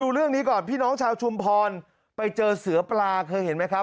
เรื่องนี้ก่อนพี่น้องชาวชุมพรไปเจอเสือปลาเคยเห็นไหมครับ